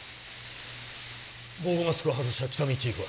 防護マスクを外した喜多見チーフは？